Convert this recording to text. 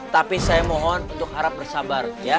tapi saya mohon untuk harap bersabar